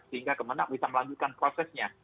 sehingga kemenang bisa melanjutkan prosesnya